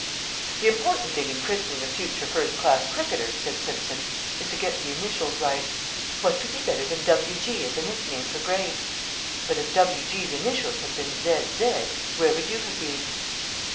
"The important thing in christening a future first class cricketer," said Simpson, "is to get the initials right. What could be better than 'W. G.' as a nickname for Grace? But if 'W. G.'s' initials had been 'Z. Z.,' where would you have been?"